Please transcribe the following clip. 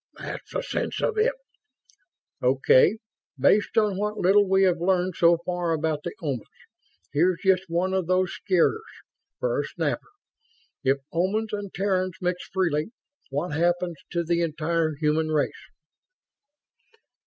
"That's the sense of it." "Okay. Based on what little we have learned so far about the Omans, here's just one of those scarers, for a snapper. If Omans and Terrans mix freely, what happens to the entire human race?"